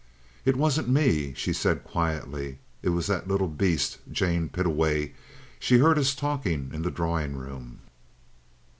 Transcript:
"It wasn't me," she said quietly. "It was that little beast, Jane Pittaway. She heard us talking in the drawing room."